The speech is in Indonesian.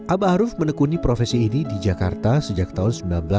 abah aruf menekuni profesi ini di jakarta sejak tahun seribu sembilan ratus sembilan puluh